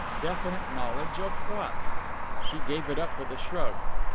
Definite knowledge of what? She gave it up with a shrug.